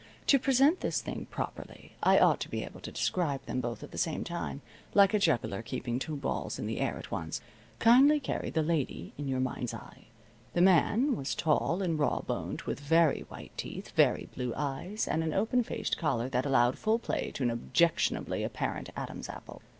To present this thing properly I ought to be able to describe them both at the same time, like a juggler keeping two balls in the air at once. Kindly carry the lady in your mind's eye. The man was tall and rawboned, with very white teeth, very blue eyes and an open faced collar that allowed full play to an objectionably apparent Adam's apple.